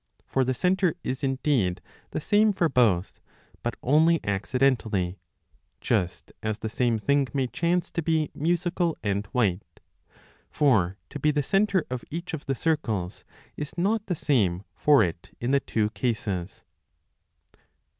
For the centre is, indeed, the same for both, but only accidentally, just as the same 35 thing may chance to be musical and white ; for to be the centre of each of the circles is not the same for it in the two cases.